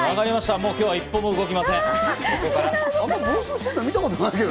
もう今日は一歩も動きません。